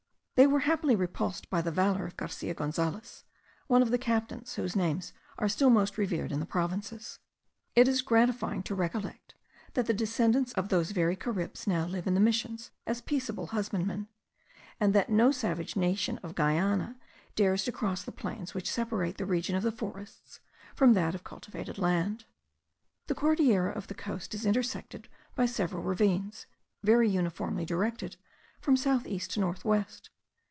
They were happily repulsed by the valour of Garcia Gonzales, one of the captains whose names are still most revered in those provinces. It is gratifying to recollect, that the descendants of those very Caribs now live in the missions as peaceable husbandmen, and that no savage nation of Guiana dares to cross the plains which separate the region of the forests from that of cultivated land. The Cordillera of the coast is intersected by several ravines, very uniformly directed from south east to north west.